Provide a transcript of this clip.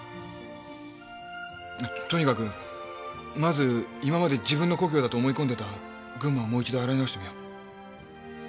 とにかくまず今まで自分の故郷だと思い込んでた群馬をもう一度洗い直してみよう。